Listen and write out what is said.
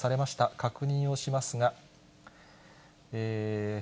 確認をしますが。